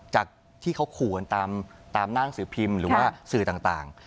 จากที่เขาขู่กันตามหน้าหนังสือพิมพ์หรือว่าสื่อต่าง